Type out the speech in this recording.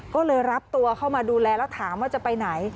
ก็เลยรับตัวเข้ามาดูแลแล้วถามว่าจะไปไหน